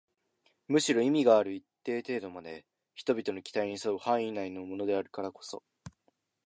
むしろ意味がある一定程度まで人々の期待に添う範囲内のものであるからこそ